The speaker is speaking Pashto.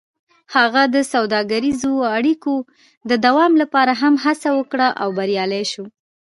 هغه د سوداګریزو اړیکو د دوام لپاره هم هڅه وکړه او بریالی شو.